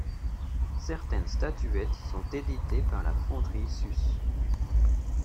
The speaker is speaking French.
Certaines statuettes sont éditées par la fonderie Susse.